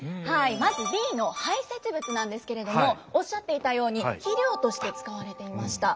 まずＢの排泄物なんですけれどもおっしゃっていたように肥料として使われていました。